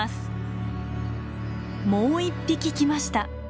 もう一匹来ました。